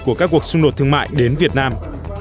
của các cuộc xung đột thương mại đến việt nam